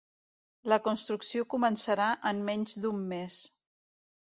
La construcció començarà en menys d'un mes